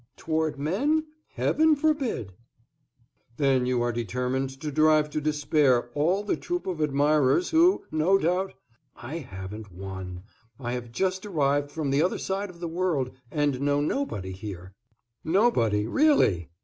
"Toward men? Heaven forbid!" "Then you are determined to drive to despair all the troop of admirers who, no doubt " "I haven't one; I have just arrived from the other side of the world, and know nobody here." "Nobody, really?